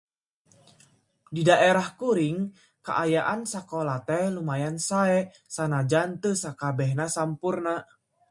Di daerah kuring, kaayaan sakola teh lumayan sae sanajan teu sakabehna sampurna.